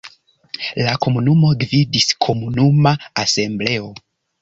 La komunumon gvidis komunuma asembleo.